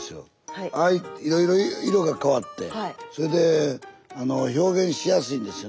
いろいろ色が変わってそれで表現しやすいんですよね。